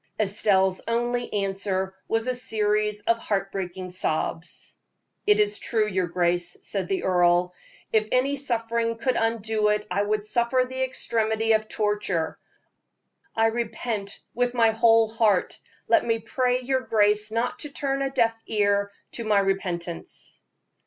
Estelle's only answer was a series of heartbreaking sobs. "It is true, your grace," said the earl. "If any suffering could undo it, I would suffer the extremity of torture. I repent with my whole heart; let me pray your grace not to turn a deaf ear to my repentance."